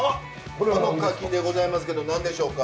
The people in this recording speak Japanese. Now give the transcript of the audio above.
この柿でございますけど何でしょうか？